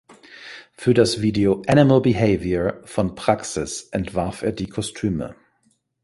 Für das Video "Animal Behavior" von Praxis entwarf er die Kostüme.